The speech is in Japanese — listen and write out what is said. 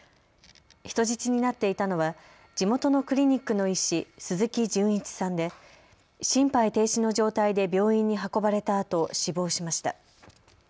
人質になっていたのは地元のクリニックの医師、鈴木純一さんで心肺停止の状態で病院に運ばれたあと死亡しました。